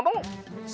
si pita ada